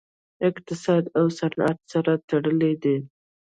اقتصاد او صنعت سره تړلي دي